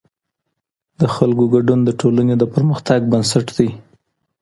د خلکو ګډون د ټولنې د پرمختګ بنسټ دی